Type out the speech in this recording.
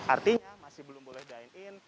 artinya masih belum boleh dine in